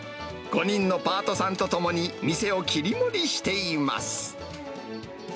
５人のパートさんと共に、店を切り盛りしています。